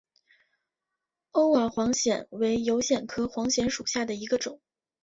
欧瓦黄藓为油藓科黄藓属下的一个种。